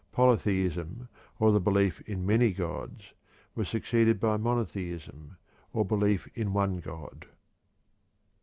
Polytheism, or the belief in many gods, was succeeded by monotheism, or belief in one god.